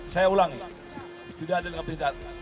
saya ulangi tidak dilengkapi dengan senjata